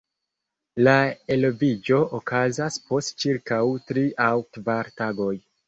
La eloviĝo okazas post ĉirkaŭ tri aŭ kvar tagoj.